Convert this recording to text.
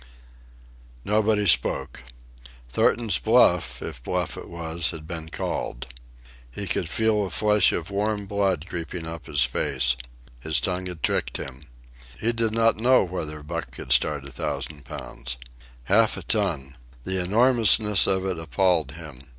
Nobody spoke. Thornton's bluff, if bluff it was, had been called. He could feel a flush of warm blood creeping up his face. His tongue had tricked him. He did not know whether Buck could start a thousand pounds. Half a ton! The enormousness of it appalled him.